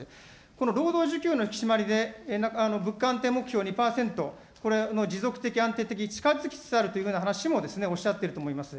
この労働需給の引き締まりで物価安定目標２％、これの持続的、安定的に近づきつつあるという話もおっしゃってると思います。